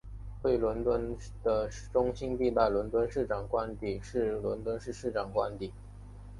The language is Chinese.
位于伦敦市的中心地带的伦敦市长官邸是伦敦市市长的官邸。